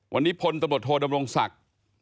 วันนี้พลตำรวจโทดำรงศักดิ์